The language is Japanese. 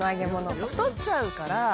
太っちゃうから。